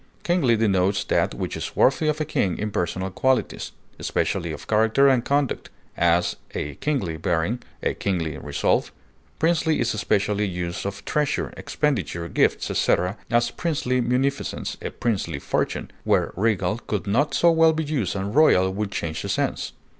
Kingly denotes that which is worthy of a king in personal qualities, especially of character and conduct; as, a kingly bearing; a kingly resolve. Princely is especially used of treasure, expenditure, gifts, etc., as princely munificence, a princely fortune, where regal could not so well be used and royal would change the sense.